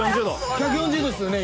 １４０℃ですよね